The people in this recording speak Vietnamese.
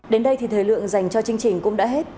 đến đây thì thời lượng dành cho chương trình cũng đã hết